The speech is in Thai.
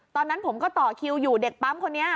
ตอนนั้นผมก็ต่อคิวอยู่เด็กปั๊มคนนี้